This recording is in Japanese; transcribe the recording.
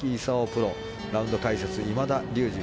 プロラウンド解説、今田竜二